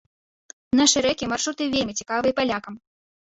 Нашы рэкі, маршруты вельмі цікавыя палякам.